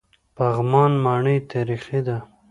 پغمان ماڼۍ تاریخي ده؟